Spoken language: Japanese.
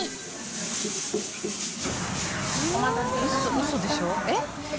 ウソでしょ？えっ？